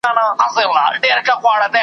په دلیل او په منطق ښکلی انسان دی .